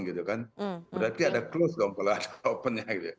berarti ada close kalau ada open